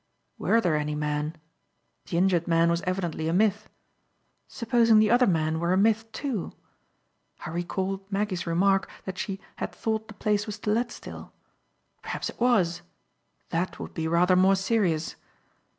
Were there any men? The injured man was evidently a myth. Supposing the other men were a myth too? I recalled Maggie's remark, that she "had thought the place was to let still." Perhaps it was. That would be rather more serious.